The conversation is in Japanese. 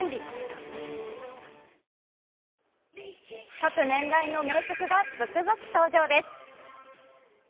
各年代の名曲が続々登場です。